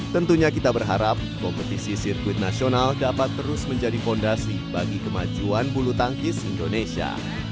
tentunya kita berharap kompetisi sirkuit nasional dapat terus menjadi fondasi bagi kemajuan bulu tangkis indonesia